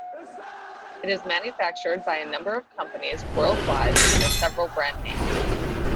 It is manufactured by a number of companies worldwide under several brand names.